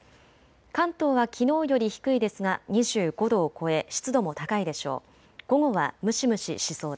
関東はきのうより低いですが２５度を超え湿度も高いでしょう。